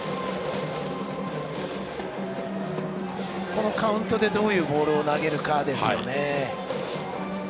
このカウントでどういうボールを投げるかですね。